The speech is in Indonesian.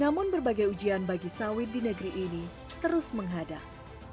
namun berbagai ujian bagi sawit di negeri ini terus menghadang